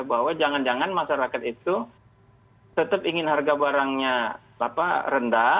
bahwa jangan jangan masyarakat itu tetap ingin harga barangnya rendah